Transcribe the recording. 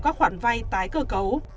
các khoản vai tái cơ cấu